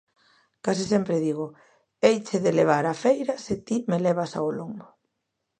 Case sempre digo 'heiche de levar á feira se ti me levas ao lombo'.